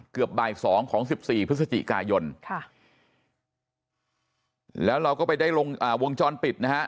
เกือบบ่าย๒ของ๑๔พฤศจิกายนแล้วเราก็ไปได้วงจรปิดนะ